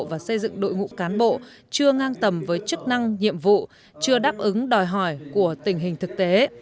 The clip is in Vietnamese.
và xây dựng đội ngũ cán bộ chưa ngang tầm với chức năng nhiệm vụ chưa đáp ứng đòi hỏi của tình hình thực tế